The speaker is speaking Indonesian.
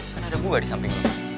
kan ada gue di samping lo